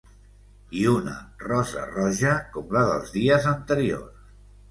I una rosa roja com la dels dies anteriors.